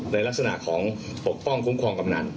ในลักษณะของปกป้องคุ้มครองกำนัน